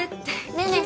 ねえねえ